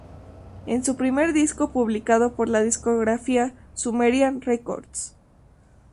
Es su primer disco publicado por la discográfica Sumerian Records.